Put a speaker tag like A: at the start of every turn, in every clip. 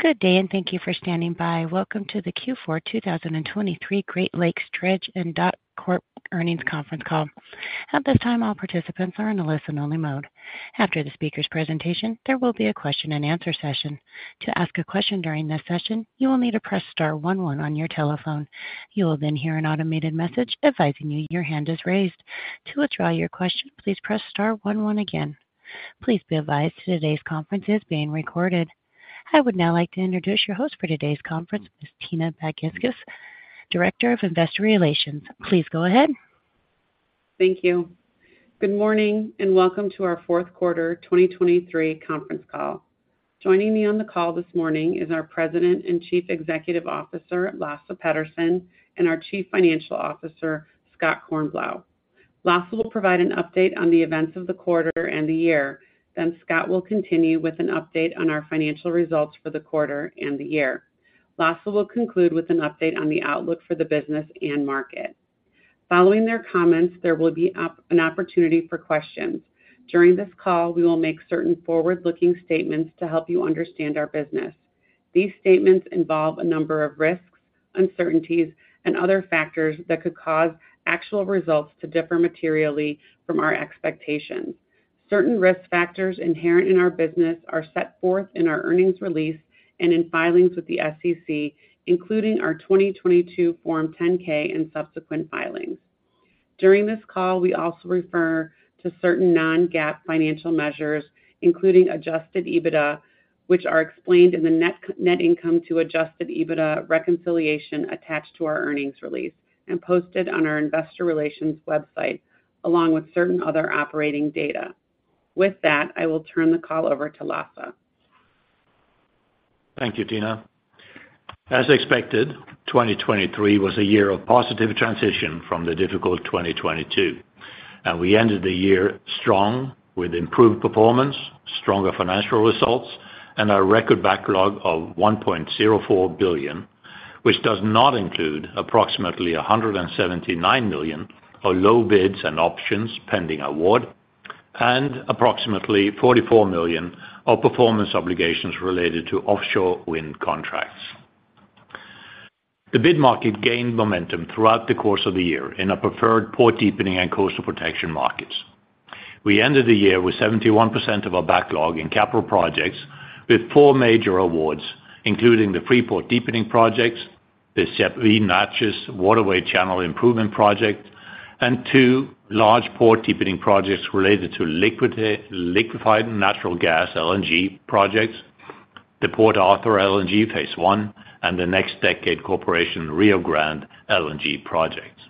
A: Good day and thank you for standing by. Welcome to the Q4 2023 Great Lakes Dredge & Dock Corp earnings conference call. At this time, all participants are in a listen-only mode. After the speaker's presentation, there will be a question-and-answer session. To ask a question during this session, you will need to press star 11 on your telephone. You will then hear an automated message advising you that your hand is raised. To withdraw your question, please press star 11 again. Please be advised today's conference is being recorded. I would now like to introduce your host for today's conference, Tina Baginskis, Director of Investor Relations. Please go ahead.
B: Thank you. Good morning and welcome to our fourth quarter 2023 conference call. Joining me on the call this morning is our President and Chief Executive Officer, Lasse Petterson, and our Chief Financial Officer, Scott Kornblau. Lasse will provide an update on the events of the quarter and the year, then Scott will continue with an update on our financial results for the quarter and the year. Lasse will conclude with an update on the outlook for the business and market. Following their comments, there will be an opportunity for questions. During this call, we will make certain forward-looking statements to help you understand our business. These statements involve a number of risks, uncertainties, and other factors that could cause actual results to differ materially from our expectations. Certain risk factors inherent in our business are set forth in our earnings release and in filings with the SEC, including our 2022 Form 10-K and subsequent filings. During this call, we also refer to certain non-GAAP financial measures, including Adjusted EBITDA, which are explained in the net income to Adjusted EBITDA reconciliation attached to our earnings release and posted on our Investor Relations website, along with certain other operating data. With that, I will turn the call over to Lasse.
C: Thank you, Tina. As expected, 2023 was a year of positive transition from the difficult 2022. We ended the year strong, with improved performance, stronger financial results, and a record backlog of $1.04 billion, which does not include approximately $179 million of low bids and options pending award, and approximately $44 million of performance obligations related to offshore wind contracts. The bid market gained momentum throughout the course of the year in our preferred port deepening and coastal protection markets. We ended the year with 71% of our backlog in capital projects with four major awards, including the Freeport Deepening Projects, the Sabine- Neche Waterway Channel Improvement Project, and two large port deepening projects related to liquefied natural gas (LNG) projects, the Port Arthur LNG Phase I, and the NextDecade Corporation Rio Grande LNG projects.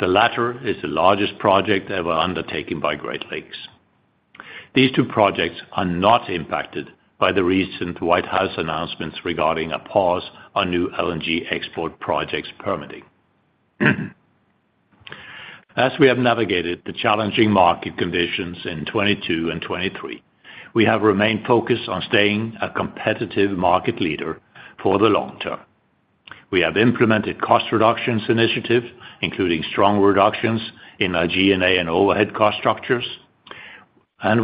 C: The latter is the largest project ever undertaken by Great Lakes. These two projects are not impacted by the recent White House announcements regarding a pause on new LNG export projects permitting. As we have navigated the challenging market conditions in 2022 and 2023, we have remained focused on staying a competitive market leader for the long term. We have implemented cost reductions initiatives, including strong reductions in our G&A and overhead cost structures.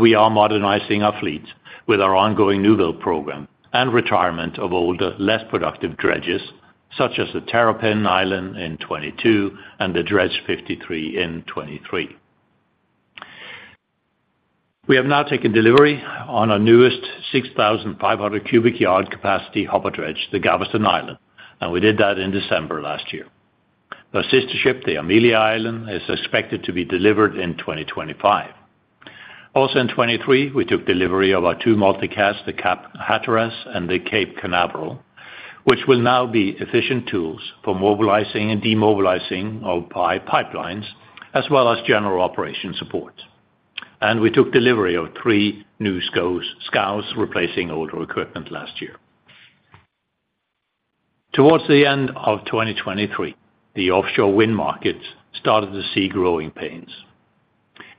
C: We are modernizing our fleet with our ongoing new build program and retirement of older, less productive dredges, such as the Terrapin Island in 2022 and the Dredge 53 in 2023. We have now taken delivery on our newest 6,500 cubic yard capacity hopper dredge, the Galveston Island. We did that in December last year. Our sister ship, the Amelia Island, is expected to be delivered in 2025. Also in 2023, we took delivery of our two multicats, the Cape Hatteras and the Cape Canaveral, which will now be efficient tools for mobilizing and demobilizing of pipelines, as well as general operation support. We took delivery of three new scows replacing older equipment last year. Towards the end of 2023, the offshore wind markets started to see growing pains.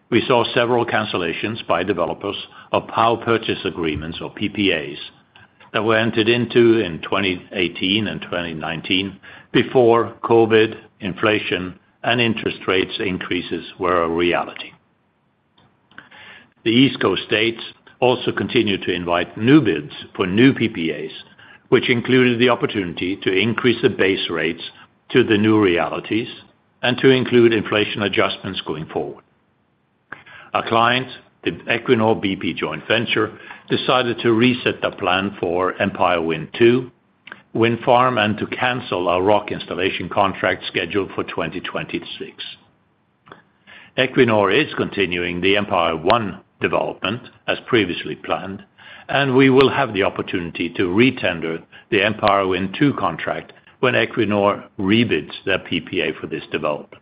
C: We saw several cancellations by developers of power purchase agreements (or PPAs) that were entered into in 2018 and 2019 before COVID, inflation, and interest rate increases were a reality. The East Coast states also continued to invite new bids for new PPAs, which included the opportunity to increase the base rates to the new realities and to include inflation adjustments going forward. Our client, the Equinor BP joint venture, decided to reset the plan for Empire Wind II, wind farm, and to cancel our rock installation contract scheduled for 2026. Equinor is continuing the Empire One development as previously planned, and we will have the opportunity to re-tender the Empire Wind II contract when Equinor re-bids their PPA for this development.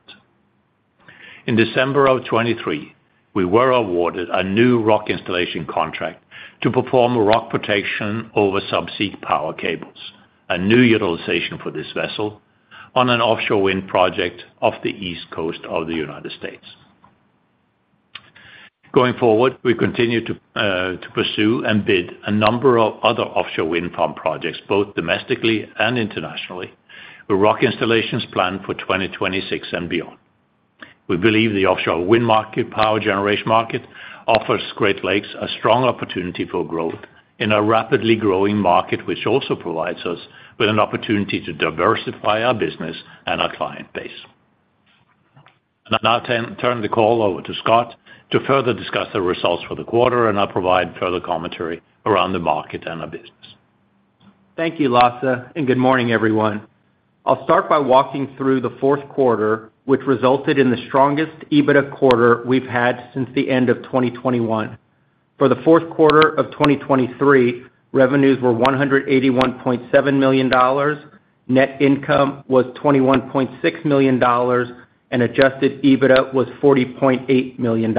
C: In December of 2023, we were awarded a new rock installation contract to perform rock protection over subsea power cables - a new utilization for this vessel - on an offshore wind project off the East Coast of the United States. Going forward, we continue to pursue and bid a number of other offshore wind farm projects, both domestically and internationally, with rock installations planned for 2026 and beyond. We believe the offshore wind market power generation market offers Great Lakes a strong opportunity for growth in a rapidly growing market, which also provides us with an opportunity to diversify our business and our client base. I now turn the call over to Scott to further discuss the results for the quarter and I will provide further commentary around the market and our business.
D: Thank you, Lasse, and good morning, everyone. I will start by walking through the fourth quarter, which resulted in the strongest EBITDA quarter we have had since the end of 2021. For the fourth quarter of 2023, revenues were $181.7 million, net income was $21.6 million, and adjusted EBITDA was $40.8 million.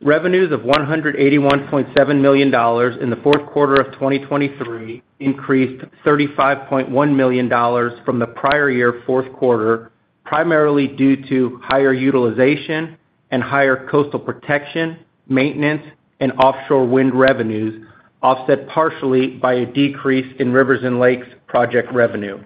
D: Revenues of $181.7 million in the fourth quarter of 2023 increased $35.1 million from the prior year fourth quarter, primarily due to higher utilization and higher coastal protection, maintenance, and offshore wind revenues, offset partially by a decrease in Rivers and Lakes project revenue.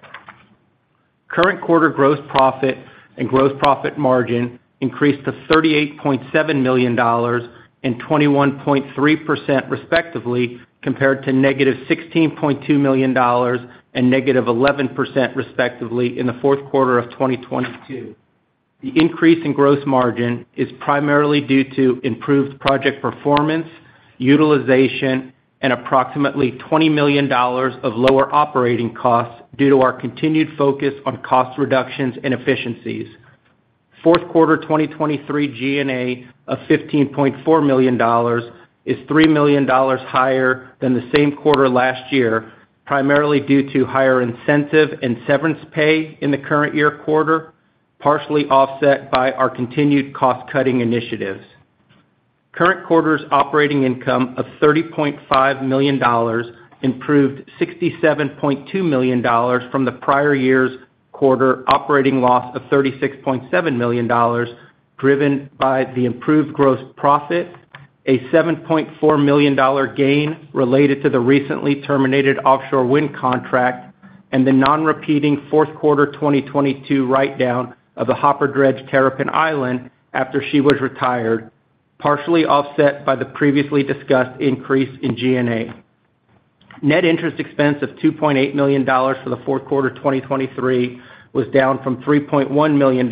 D: Current quarter gross profit and gross profit margin increased to $38.7 million and 21.3% respectively compared to -$16.2 million and -11% respectively in the fourth quarter of 2022. The increase in gross margin is primarily due to improved project performance, utilization, and approximately $20 million of lower operating costs due to our continued focus on cost reductions and efficiencies. Fourth quarter 2023 G&A of $15.4 million is $3 million higher than the same quarter last year, primarily due to higher incentive and severance pay in the current year quarter, partially offset by our continued cost-cutting initiatives. Current quarter's operating income of $30.5 million improved $67.2 million from the prior year's quarter operating loss of $36.7 million, driven by the improved gross profit, a $7.4 million gain related to the recently terminated offshore wind contract, and the non-repeating fourth quarter 2022 write-down of the hopper dredge Terrapin Island after she was retired, partially offset by the previously discussed increase in G&A. Net interest expense of $2.8 million for the fourth quarter 2023 was down from $3.1 million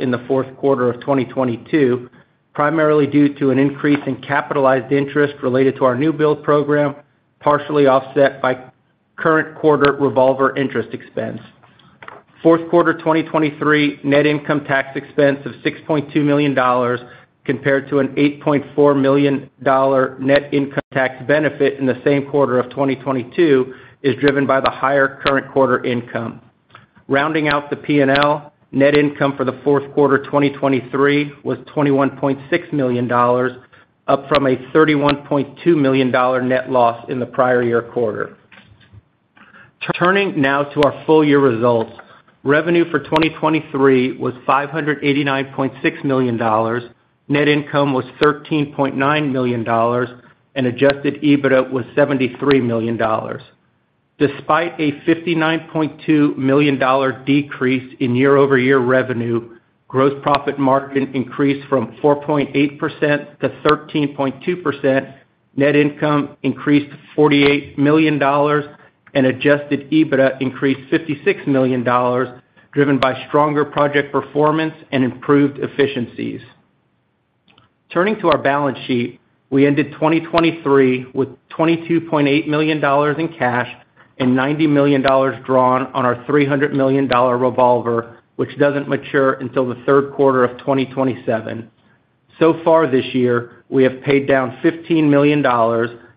D: in the fourth quarter of 2022, primarily due to an increase in capitalized interest related to our new build program, partially offset by current quarter revolver interest expense. Fourth quarter 2023 net income tax expense of $6.2 million compared to an $8.4 million net income tax benefit in the same quarter of 2022 is driven by the higher current quarter income. Rounding out the P&L, net income for the fourth quarter 2023 was $21.6 million, up from a $31.2 million net loss in the prior year quarter. Turning now to our full year results, revenue for 2023 was $589.6 million, net income was $13.9 million, and Adjusted EBITDA was $73 million. Despite a $59.2 million decrease in year-over-year revenue, gross profit margin increased from 4.8% to 13.2%, net income increased $48 million, and Adjusted EBITDA increased $56 million, driven by stronger project performance and improved efficiencies. Turning to our balance sheet, we ended 2023 with $22.8 million in cash and $90 million drawn on our $300 million revolver, which doesn't mature until the third quarter of 2027. So far this year, we have paid down $15 million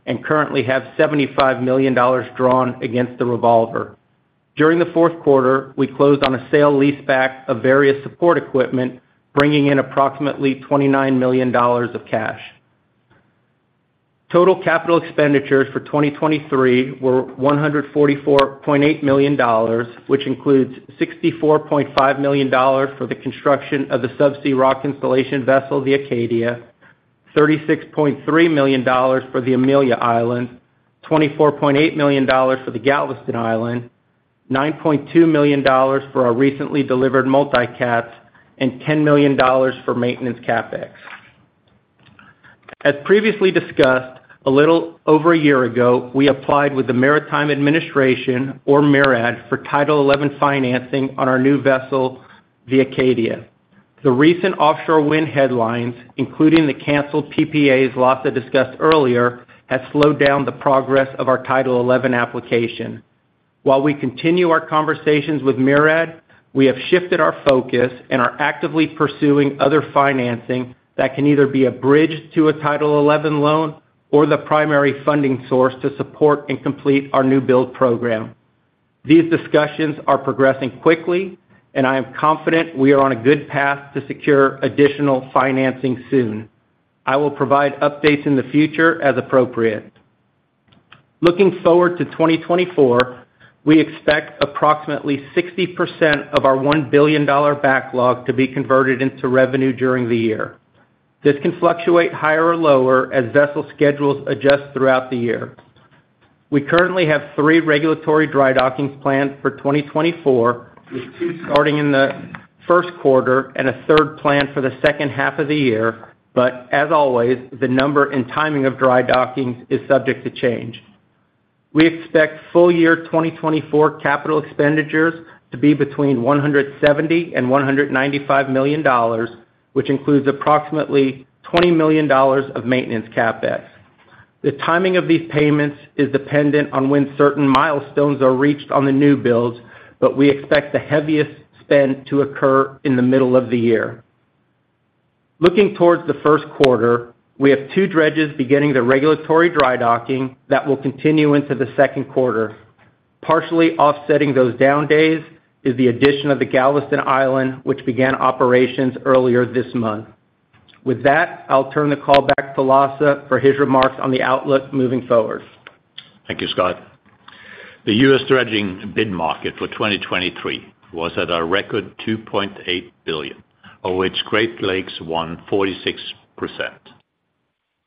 D: and currently have $75 million drawn against the revolver. During the fourth quarter, we closed on a sale leaseback of various support equipment, bringing in approximately $29 million of cash. Total capital expenditures for 2023 were $144.8 million, which includes $64.5 million for the construction of the subsea rock installation vessel, the Acadia, $36.3 million for the Amelia Island, $24.8 million for the Galveston Island, $9.2 million for our recently delivered multicat, and $10 million for maintenance CapEx. As previously discussed, a little over a year ago, we applied with the Maritime Administration, or MARAD, for Title XI financing on our new vessel, the Acadia. The recent offshore wind headlines, including the canceled PPAs Lasse discussed earlier, have slowed down the progress of our Title XI application. While we continue our conversations with MARAD, we have shifted our focus and are actively pursuing other financing that can either be a bridge to a Title XI loan or the primary funding source to support and complete our new build program. These discussions are progressing quickly, and I am confident we are on a good path to secure additional financing soon. I will provide updates in the future as appropriate. Looking forward to 2024, we expect approximately 60% of our $1 billion backlog to be converted into revenue during the year. This can fluctuate higher or lower as vessel schedules adjust throughout the year. We currently have three regulatory dry dockings planned for 2024, with two starting in the first quarter and a third planned for the second half of the year. But, as always, the number and timing of dry dockings is subject to change. We expect full year 2024 capital expenditures to be between $170 million-$195 million, which includes approximately $20 million of maintenance CapEx. The timing of these payments is dependent on when certain milestones are reached on the new builds, but we expect the heaviest spend to occur in the middle of the year. Looking towards the first quarter, we have two dredges beginning the regulatory dry docking that will continue into the second quarter. Partially offsetting those down days is the addition of the Galveston Island, which began operations earlier this month. With that, I will turn the call back to Lasse for his remarks on the outlook moving forward.
C: Thank you, Scott. The U.S. dredging bid market for 2023 was at a record $2.8 billion, of which Great Lakes won 46%.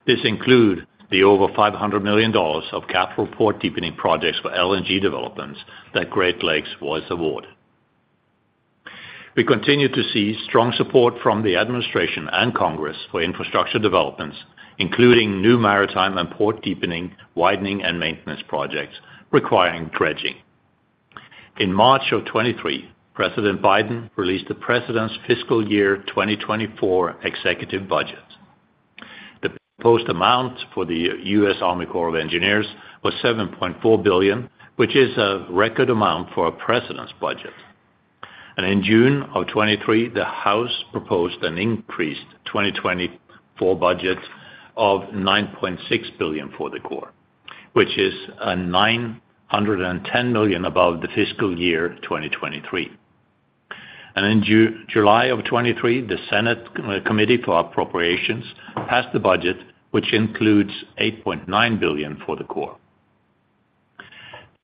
C: This includes the over $500 million of capital port deepening projects for LNG developments that Great Lakes was awarded. We continue to see strong support from the administration and Congress for infrastructure developments, including new maritime and port deepening, widening, and maintenance projects requiring dredging. In March of 2023, President Biden released the President's Fiscal Year 2024 Executive Budget. The proposed amount for the U.S. Army Corps of Engineers was $7.4 billion, which is a record amount for a President's budget. And in June of 2023, the House proposed an increased 2024 budget of $9.6 billion for the Corps, which is $910 million above the fiscal year 2023. And in July of 2023, the Senate Committee for Appropriations passed the budget, which includes $8.9 billion for the Corps.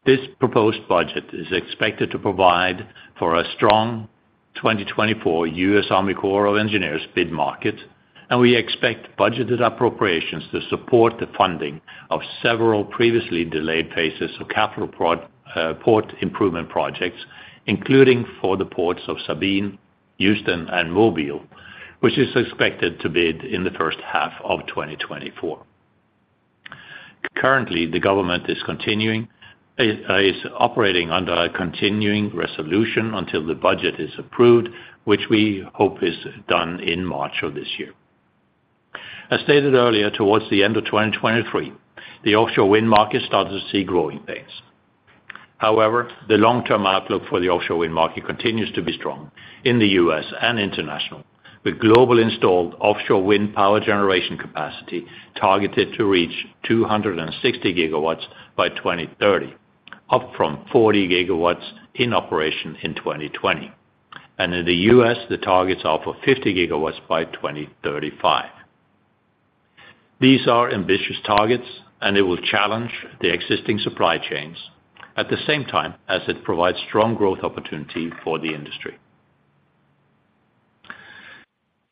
C: This proposed budget is expected to provide for a strong 2024 U.S. Army Corps of Engineers bid market, and we expect budgeted appropriations to support the funding of several previously delayed phases of capital port improvement projects, including for the ports of Sabine, Houston, and Mobile, which is expected to bid in the first half of 2024. Currently, the government is operating under a continuing resolution until the budget is approved, which we hope is done in March of this year. As stated earlier, towards the end of 2023, the offshore wind market started to see growing pains. However, the long-term outlook for the offshore wind market continues to be strong in the U.S. and international, with global installed offshore wind power generation capacity targeted to reach 260 gigawatts by 2030, up from 40 gigawatts in operation in 2020. In the U.S., the targets are for 50 gigawatts by 2035. These are ambitious targets, and it will challenge the existing supply chains at the same time as it provides strong growth opportunity for the industry.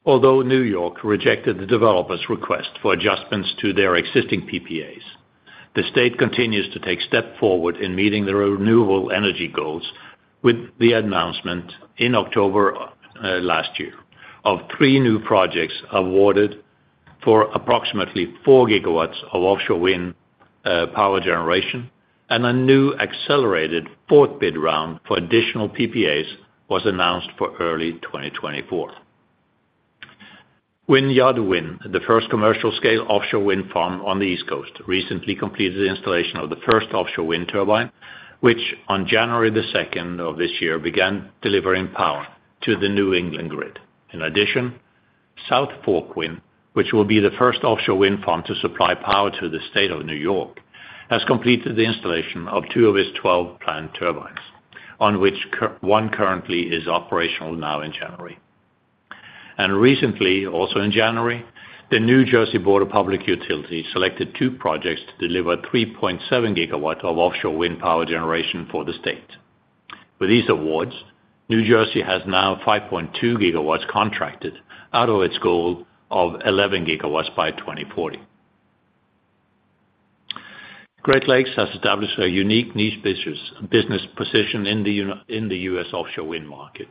C: Although New York rejected the developers' request for adjustments to their existing PPAs, the state continues to take steps forward in meeting the renewable energy goals with the announcement in October last year of three new projects awarded for approximately 4 gigawatts of offshore wind power generation, and a new accelerated fourth bid round for additional PPAs was announced for early 2024. Vineyard Wind, the first commercial-scale offshore wind farm on the East Coast, recently completed the installation of the first offshore wind turbine, which on January 2nd of this year began delivering power to the New England Grid. In addition, South Fork Wind, which will be the first offshore wind farm to supply power to the State of New York, has completed the installation of two of its 12 planned turbines, on which one currently is operational now in January. Recently, also in January, the New Jersey Board of Public Utilities selected two projects to deliver 3.7 gigawatts of offshore wind power generation for the state. With these awards, New Jersey has now 5.2 gigawatts contracted out of its goal of 11 gigawatts by 2040. Great Lakes has established a unique niche business position in the U.S. offshore wind market,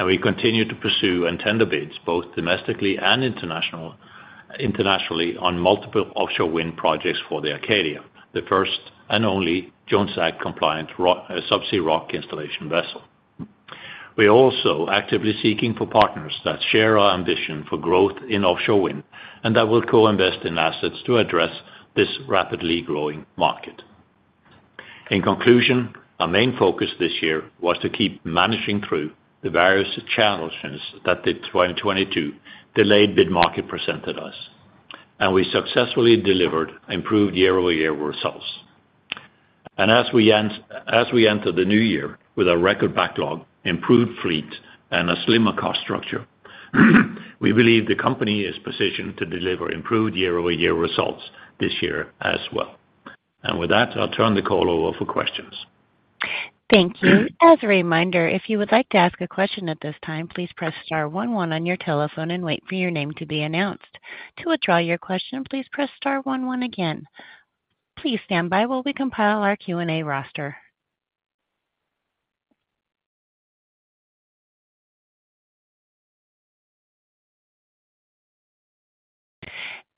C: and we continue to pursue and tender bids both domestically and internationally on multiple offshore wind projects for the Acadia, the first and only Jones Act-compliant subsea rock installation vessel. We are also actively seeking for partners that share our ambition for growth in offshore wind and that will co-invest in assets to address this rapidly growing market. In conclusion, our main focus this year was to keep managing through the various challenges that the 2022 delayed bid market presented us. We successfully delivered improved year-over-year results. As we enter the new year with a record backlog, improved fleet, and a slimmer cost structure, we believe the company is positioned to deliver improved year-over-year results this year as well. With that, I will turn the call over for questions.
A: Thank you. As a reminder, if you would like to ask a question at this time, please press star one one on your telephone and wait for your name to be announced. To withdraw your question, please press star one one again. Please stand by while we compile our Q&A roster.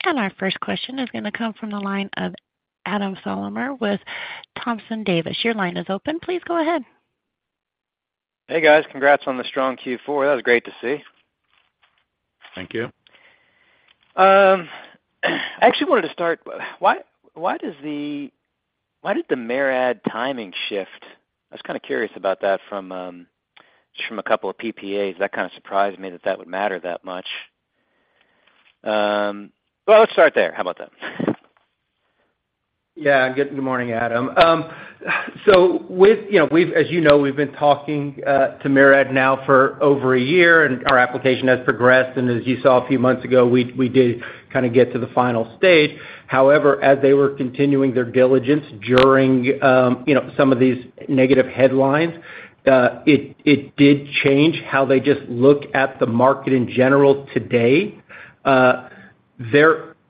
A: Our first question is going to come from the line of Adam Thalhimer with Thompson Davis. Your line is open. Please go ahead.
E: Hey guys. Congrats on the strong Q4. That was great to see.
C: Thank you.
E: I actually wanted to start—why did the MARAD timing shift? I was kind of curious about that from, just from a couple of PPAs. That kind of surprised me that that would matter that much. Well, let's start there. How about that?
D: Yeah. Good morning, Adam. So with, you know, as you know, we've been talking to MARAD now for over a year, and our application has progressed. And as you saw a few months ago, we did kind of get to the final stage. However, as they were continuing their diligence during, you know, some of these negative headlines, it did change how they just look at the market in general today.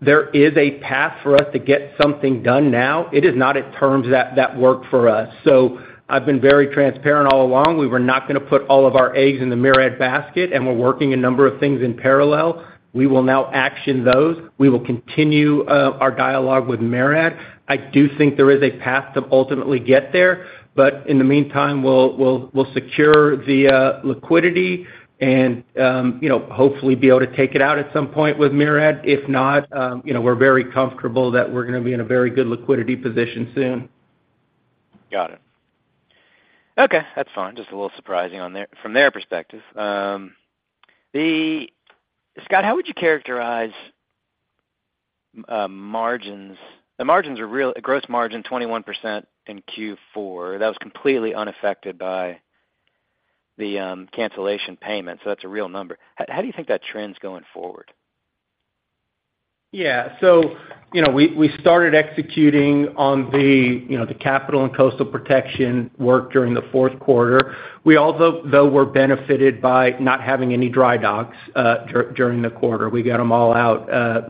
D: There is a path for us to get something done now. It is not at terms that worked for us. So I have been very transparent all along. We were not going to put all of our eggs in the MARAD basket, and we are working a number of things in parallel. We will now action those. We will continue our dialogue with MARAD. I do think there is a path to ultimately get there. But in the meantime, we will secure the liquidity and, you know, hopefully be able to take it out at some point with MARAD. If not, you know, we are very comfortable that we are going to be in a very good liquidity position soon.
E: Got it. Okay. That's fine. Just a little surprising on there from their perspective. The Scott, how would you characterize margins? The margins are real a gross margin 21% in Q4. That was completely unaffected by the cancellation payments. So that's a real number. How do you think that trend is going forward?
D: Yeah. So, you know, we started executing on the, you know, the capital and coastal protection work during the fourth quarter. We also were benefited by not having any dry docks during the quarter. We got them all out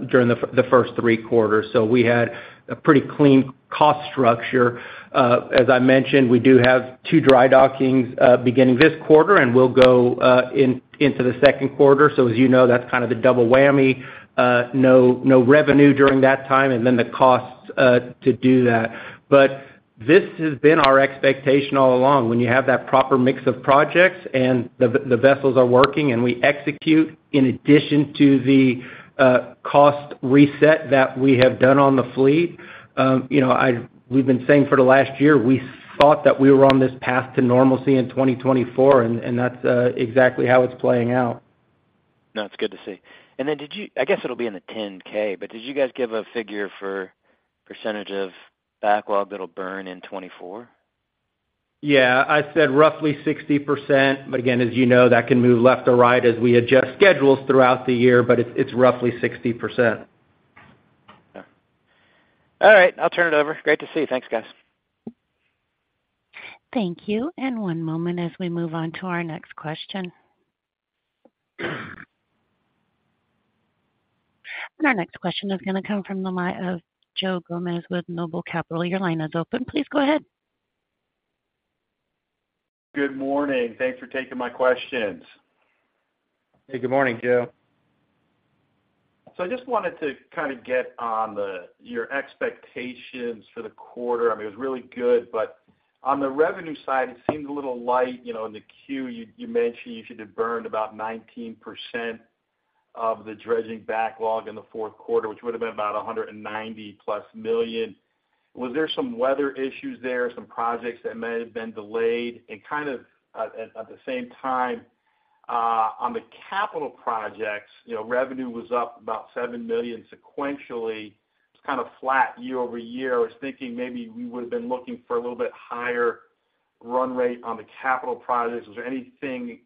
D: during the first three quarters. So we had a pretty clean cost structure. As I mentioned, we do have two dry dockings beginning this quarter, and we will go into the second quarter. So, as you know, that's kind of the double whammy. No revenue during that time and then the costs to do that. But this has been our expectation all along. When you have that proper mix of projects and the vessels are working and we execute, in addition to the cost reset that we have done on the fleet, you know, we have been saying for the last year, we thought that we were on this path to normalcy in 2024, and that's exactly how it is playing out.
E: No, it is good to see. And then, did you, I guess it will be in the 10-K, but did you guys give a figure for percentage of backlog that will burn in 2024?
D: Yeah. I said roughly 60%. But again, as you know, that can move left or right as we adjust schedules throughout the year, but it is roughly 60%.
E: Okay. All right. I will turn it over. Great to see. Thanks, guys.
A: Thank you. One moment as we move on to our next question. Our next question is going to come from the line of Joe Gomes with Noble Capital. Your line is open. Please go ahead.
F: Good morning. Thanks for taking my questions.
C: Hey. Good morning, Joe.
F: So I just wanted to kind of get on the your expectations for the quarter. I mean, it was really good, but on the revenue side, it seemed a little light. You know, in the Q, you mentioned you should have burned about 19% of the dredging backlog in the fourth quarter, which would have been about $190+ million. Was there some weather issues there, some projects that may have been delayed? And kind of, at the same time, on the capital projects, you know, revenue was up about $7 million sequentially. It was kind of flat year-over-year. I was thinking maybe we would have been looking for a little bit higher run rate on the capital projects. Was there anything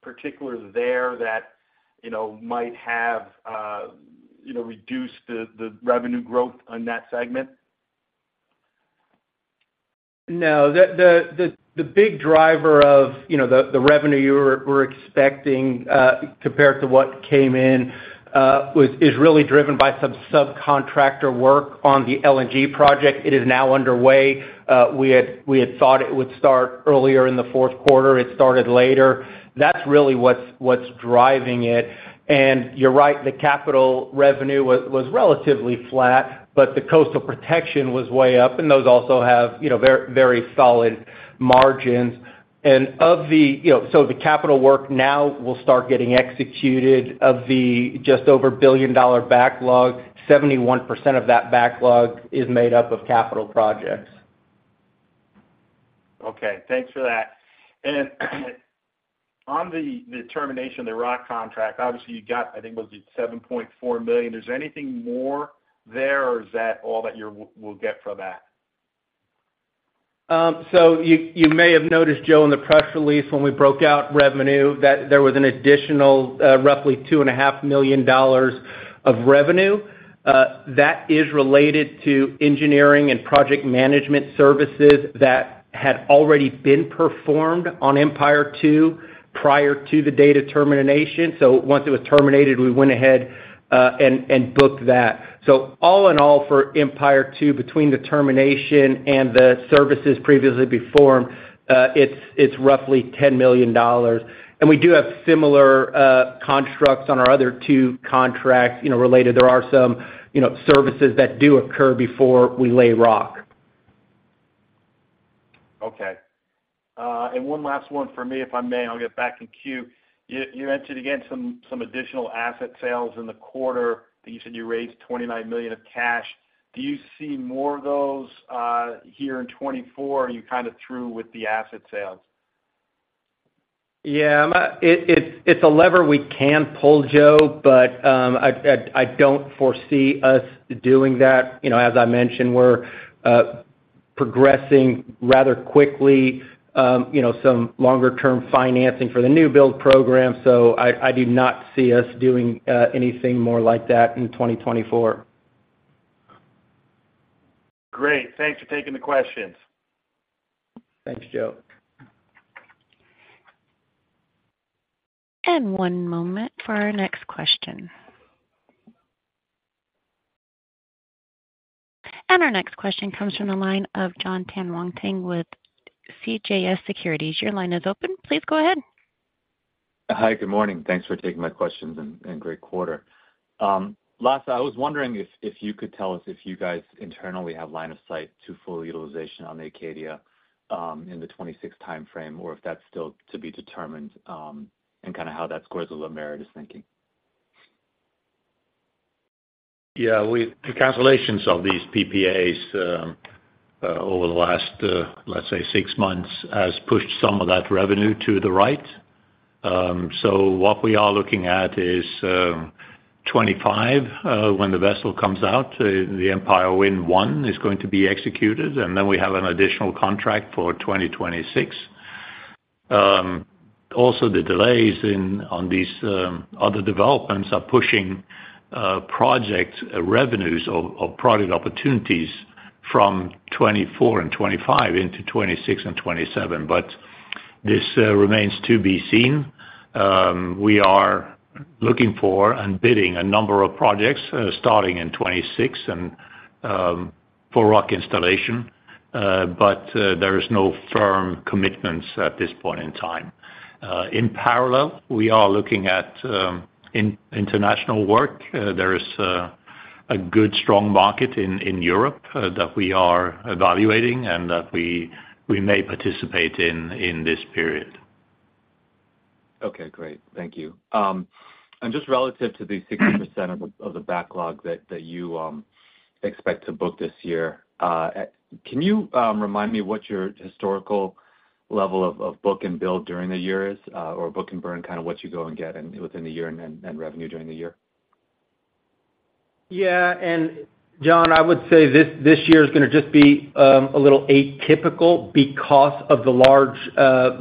F: particular there that, you know, might have, you know, reduced the revenue growth on that segment?
D: No. The big driver of, you know, the revenue you were expecting, compared to what came in, was really driven by some subcontractor work on the LNG project. It is now underway. We had thought it would start earlier in the fourth quarter. It started later. That is really what is driving it. And you are right. The capital revenue was relatively flat, but the coastal protection was way up, and those also have, you know, very solid margins. And of the, you know, so the capital work now will start getting executed. Of the just over $1 billion-dollar backlog, 71% of that backlog is made up of capital projects.
F: Okay. Thanks for that. On the termination of the rock contract, obviously, you got I think it was $7.4 million. Is there anything more there, or is that all that you will get from that?
D: So you may have noticed, Joe, in the press release when we broke out revenue that there was an additional, roughly $2.5 million of revenue. That is related to engineering and project management services that had already been performed on Empire Wind 2 prior to its termination. So once it was terminated, we went ahead and booked that. So all in all, for Empire Wind 2, between the termination and the services previously performed, it is roughly $10 million. And we do have similar constructs on our other two contracts, you know, related. There are some, you know, services that do occur before we lay rock.
F: Okay. And one last one for me, if I may. I will get back in Q. You mentioned again some additional asset sales in the quarter. You said you raised $29 million of cash. Do you see more of those, here in 2024? Are you kind of through with the asset sales?
D: Yeah. I mean, it is a lever we can pull, Joe, but I don't foresee us doing that. You know, as I mentioned, we are progressing rather quickly, you know, some longer-term financing for the new build program. So I do not see us doing anything more like that in 2024.
F: Great. Thanks for taking the questions.
D: Thanks, Joe.
A: One moment for our next question. Our next question comes from the line of Jon Tanwanteng with CJS Securities. Your line is open. Please go ahead.
G: Hi. Good morning. Thanks for taking my questions and great quarter. Lasse, I was wondering if you could tell us if you guys internally have line of sight to full utilization on the Acadia, in the 2026 timeframe or if that is still to be determined, and kind of how that squares with what MARAD is thinking.
C: Yeah. With the cancellations of these PPAs, over the last, let's say, six months has pushed some of that revenue to the right. So what we are looking at is, 2025, when the vessel comes out, the Empire Wind 1 is going to be executed, and then we have an additional contract for 2026. Also, the delays in on these, other developments are pushing, project revenues or product opportunities from 2024 and 2025 into 2026 and 2027, but this remains to be seen. We are looking for and bidding a number of projects, starting in 2026 and, for rock installation, but, there are no firm commitments at this point in time. In parallel, we are looking at international work. There is a good strong market in Europe, that we are evaluating and that we may participate in in this period.
G: Okay. Great. Thank you. And just relative to the 60% of the backlog that you expect to book this year, can you remind me what your historical level of book and build during the year is, or book and burn, kind of what you go and get within the year and revenue during the year?
D: Yeah. And, John, I would say this this year is going to just be a little atypical because of the large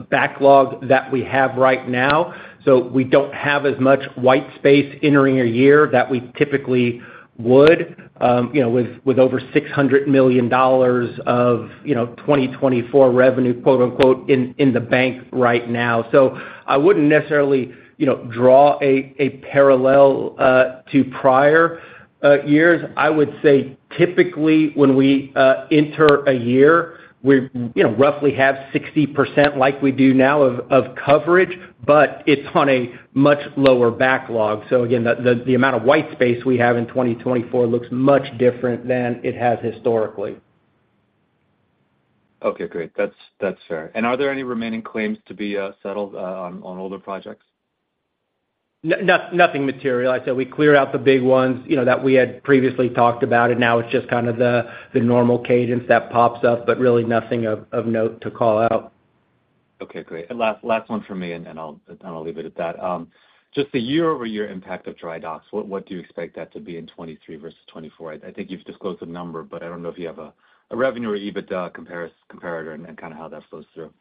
D: backlog that we have right now. So we don't have as much white space entering a year that we typically would, you know, with over $600 million of, you know, "2024 revenue," quote unquote, in the bank right now. So I wouldn't necessarily, you know, draw a parallel to prior years. I would say typically when we enter a year, we, you know, roughly have 60% like we do now of coverage, but it is on a much lower backlog. So again, the amount of white space we have in 2024 looks much different than it has historically.
F: Okay. Great. That is fair. And are there any remaining claims to be settled on older projects?
D: Nothing material. I said we clear out the big ones, you know, that we had previously talked about. And now it is just kind of the normal cadence that pops up, but really nothing of note to call out.
F: Okay. Great. And last one from me, and I will leave it at that. Just the year-over-year impact of dry docks, what do you expect that to be in 2023 versus 2024? I think you have disclosed a number, but I don't know if you have a revenue or EBITDA comparison comparator and kind of how that flows through.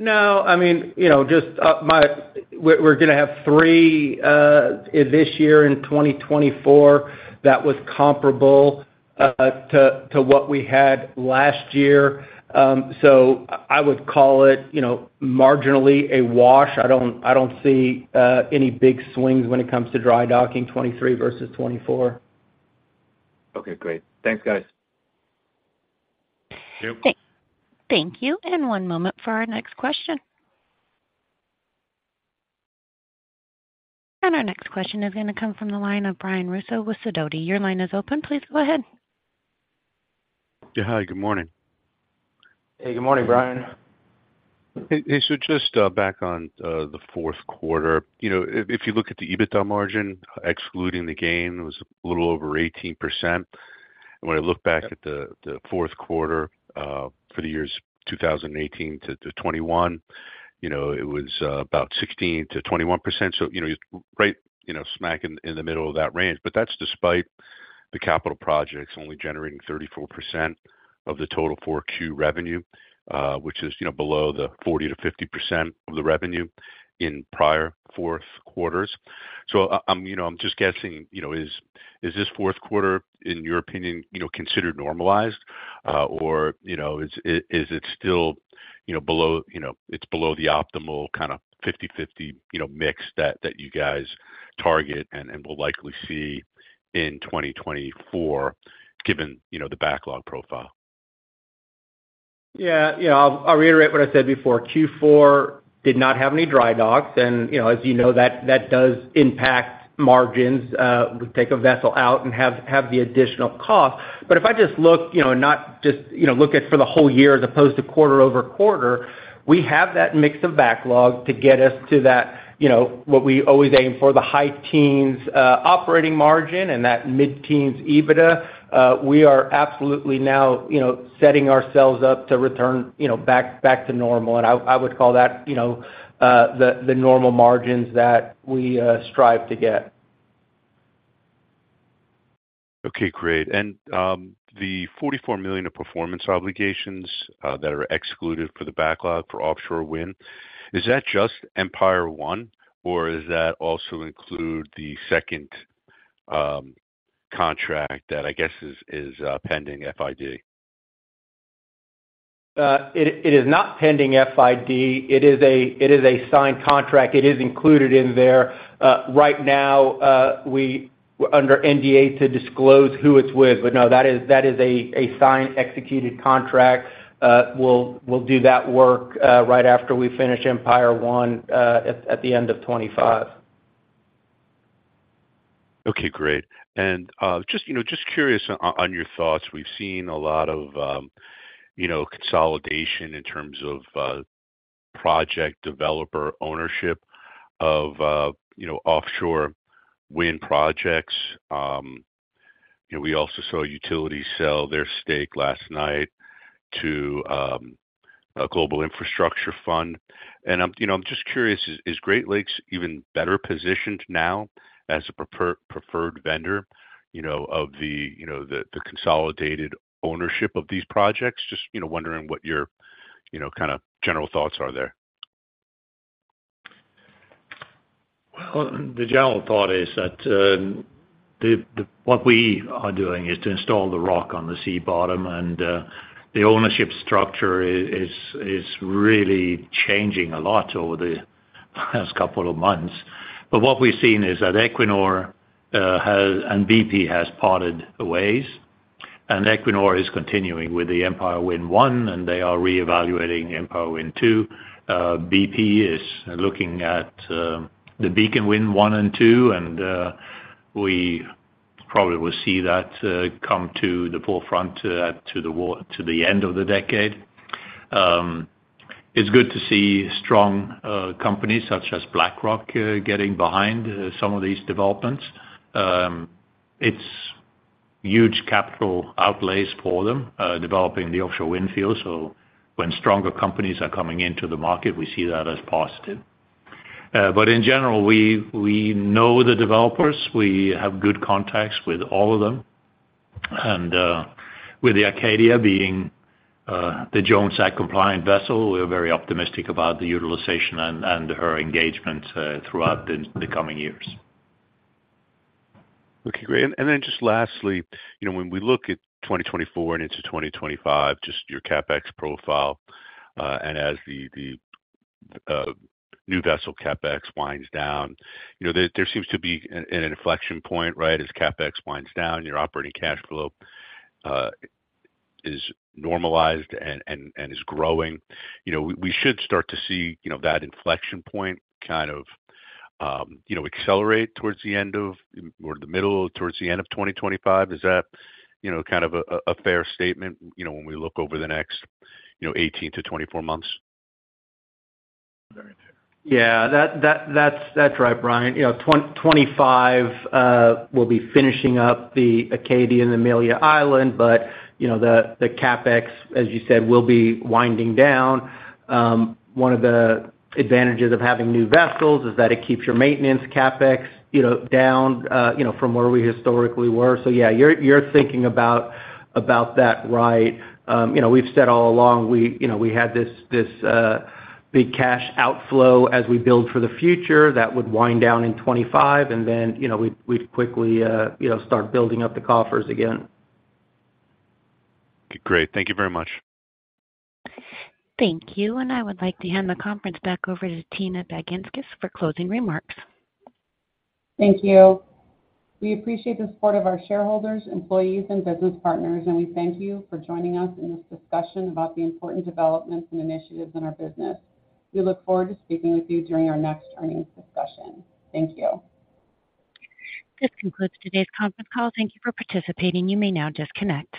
D: No. I mean, you know, just, we are going to have three this year in 2024 that was comparable to what we had last year. So I would call it, you know, marginally a wash. I don't see any big swings when it comes to dry docking 2023 versus 2024.
F: Okay. Great. Thanks, guys.
C: Thank you.
A: Thank you. And one moment for our next question. And our next question is going to come from the line of Brian Russo with Sidoti. Your line is open. Please go ahead.
H: Yeah. Hi. Good morning.
C: Hey. Good morning, Brian.
H: Hey. Hey. So just back on the fourth quarter. You know, if you look at the EBITDA margin excluding the gain, it was a little over 18%. And when I look back at the fourth quarter for the years 2018 to 2021, you know, it was about 16%-21%. So, you know, you're right, you know, smack in the middle of that range. But that is despite the capital projects only generating 34% of the total 4Q revenue, which is, you know, below the 40%-50% of the revenue in prior fourth quarters. I'm you know, I'm just guessing, you know, is this fourth quarter, in your opinion, you know, considered normalized, or, you know, is it still, you know, below you know, it is below the optimal kind of 50/50, you know, mix that you guys target and will likely see in 2024 given, you know, the backlog profile?
D: Yeah. Yeah. I will reiterate what I said before. Q4 did not have any dry docks. And, you know, as you know, that does impact margins. We take a vessel out and have the additional cost. But if I just look, you know, not just, you know, look at for the whole year as opposed to quarter-over-quarter, we have that mix of backlog to get us to that, you know, what we always aim for, the high teens operating margin and that mid-teens EBITDA. We are absolutely now, you know, setting ourselves up to return, you know, back to normal. And I would call that, you know, the normal margins that we strive to get.
H: Okay. Great. And, the $44 million of performance obligations, that are excluded for the backlog for offshore wind, is that just Empire Wind 1, or does that also include the second contract that I guess is pending FID?
D: It is not pending FID. It is a signed contract. It is included in there. Right now, we're under NDA to disclose who it is with. But no, that is a signed executed contract. We will do that work right after we finish Empire One, at the end of 2025.
H: Okay. Great. And just, you know, just curious on your thoughts. We have seen a lot of, you know, consolidation in terms of project developer ownership of, you know, offshore wind projects. You know, we also saw utilities sell their stake last night to a global infrastructure fund. And I am, you know, I am just curious, is Great Lakes even better positioned now as a preferred vendor, you know, of the, you know, the consolidated ownership of these projects? Just, you know, wondering what your, you know, kind of general thoughts are there.
C: Well, the general thought is that, what we are doing is to install the rock on the sea bottom. And, the ownership structure is really changing a lot over the last couple of months. But what we have seen is that Equinor has and BP has parted ways. And Equinor is continuing with the Empire Wind 1, and they are reevaluating Empire Wind 2. BP is looking at the Beacon Wind 1 and 2, and we probably will see that come to the forefront towards the end of the decade. It is good to see strong companies such as BlackRock getting behind some of these developments. It is huge capital outlays for them, developing the offshore wind field. So when stronger companies are coming into the market, we see that as positive. But in general, we know the developers. We have good contacts with all of them. And with the Acadia being the Jones Act-compliant vessel, we are very optimistic about the utilization and her engagement throughout the coming years.
H: Okay. Great. And then just lastly, you know, when we look at 2024 and into 2025, just your CapEx profile, and as the new vessel CapEx winds down, you know, there seems to be an inflection point, right, as CapEx winds down, your operating cash flow is normalized and is growing. You know, we should start to see, you know, that inflection point kind of, you know, accelerate towards the end of or the middle towards the end of 2025. Is that, you know, kind of a fair statement, you know, when we look over the next, you know, 18 to 24 months?
D: Yeah. That is right, Brian. You know, 2025, we will be finishing up the Acadia and the Amelia Island, but, you know, the CapEx, as you said, will be winding down. One of the advantages of having new vessels is that it keeps your maintenance CapEx, you know, down, you know, from where we historically were. So yeah, you are thinking about that, right? You know, we have said all along, we, you know, we had this big cash outflow as we build for the future that would wind down in 2025. And then, you know, we would quickly, you know, start building up the coffers again.
H: Okay. Great. Thank you very much.
A: Thank you. I would like to hand the conference back over to Tina Baginskis for closing remarks.
B: Thank you. We appreciate the support of our shareholders, employees, and business partners, and we thank you for joining us in this discussion about the important developments and initiatives in our business. We look forward to speaking with you during our next earnings discussion. Thank you.
A: This concludes today's conference call. Thank you for participating. You may now disconnect.